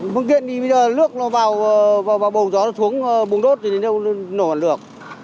phương tiện thì bây giờ lước vào bồng gió xuống bùng đốt thì nó nổ hẳn lược